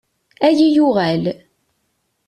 Ad yi-yuɣal.